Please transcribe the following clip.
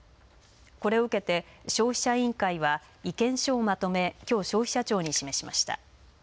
これを受けて消費者委員会は意見書をまとめきょう、消費者庁に示しました。